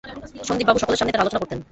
সন্দীপবাবু সকলের সামনেই তার আলোচনা করতেন।